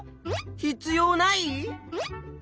必要ない？